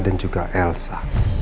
dan juga elsa